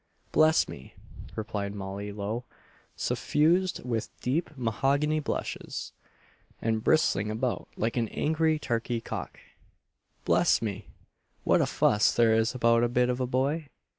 "Bless me!" replied Molly Lowe suffused with deep mahogany blushes, and bristling about like an angry turkey cock "Bless me! what a fuss there is about a bit of a boy!